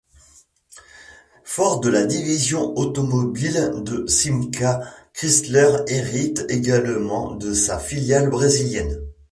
Fort de la division automobile de Simca, Chrysler hérite également de sa filiale brésilienne.